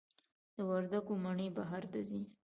د وردګو مڼې بهر ته ځي؟